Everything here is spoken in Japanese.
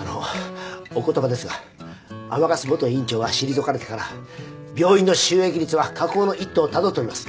あのお言葉ですが甘春元院長が退かれてから病院の収益率は下降の一途をたどっております。